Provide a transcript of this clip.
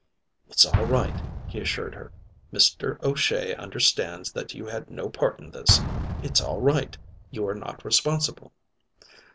"It's all right," he assured her. "Mr. O'Shea understands that you had no part in this. It's all right. You are not responsible."